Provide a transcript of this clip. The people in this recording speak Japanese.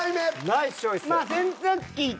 ナイスチョイス。